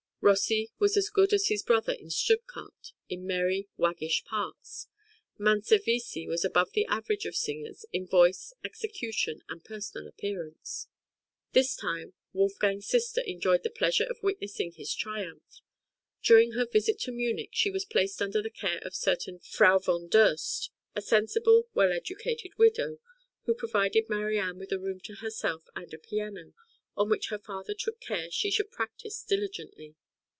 Rossi was as good as his brother in Stuttgart in merry, waggish parts; Manservisi was above the average of singers in voice, execution, and personal appearance. This time Wolfgang's sister enjoyed the pleasure of witnessing his triumph. During her visit to Munich she was placed under the care of a certain Frau v. Durst, a sensible well educated widow, who provided Marianne with a room to herself and a piano, on which her father took care she should practise diligently.